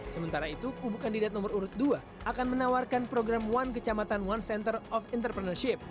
sementara itu kubu kandidat nomor urut dua akan menawarkan program one kecamatan one center of entrepreneurship